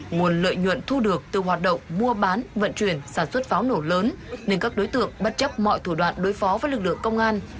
nguồn lợi nhuận thu được từ hoạt động mua bán vận chuyển sản xuất pháo nổ lớn nên các đối tượng bất chấp mọi thủ đoạn đối phó với lực lượng công an